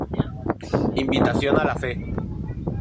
Invitación a la fe".